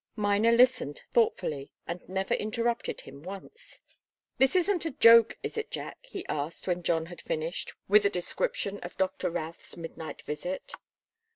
Miner listened thoughtfully and never interrupted him once. "This isn't a joke, is it, Jack?" he asked, when John had finished with a description of Doctor Routh's midnight visit.